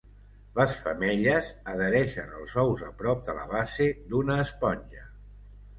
Les femelles adhereixen els ous a prop de la base d'una esponja.